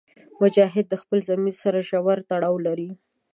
مجاهد د خپل ضمیر سره ژور تړاو لري.